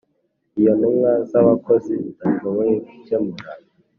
Iyo intumwa z abakozi zidashoboye gukemura